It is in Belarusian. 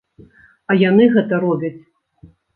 А яны гэта робяць.